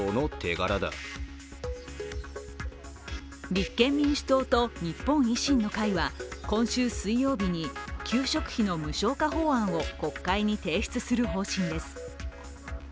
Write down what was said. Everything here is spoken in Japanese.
立憲民主党と日本維新の会は今週水曜日に給食費の無償化法案を国会に提出する方針です。